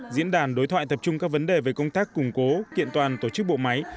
diễn đàn đối thoại tập trung các vấn đề về công tác củng cố kiện toàn tổ chức bộ máy